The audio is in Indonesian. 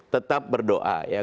tetap berdoa ya